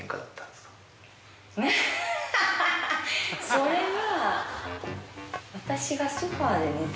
それは。